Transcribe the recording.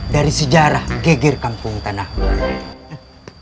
dari sejarah geger kampung tanahmu